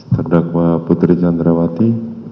terdakwa putri canrawati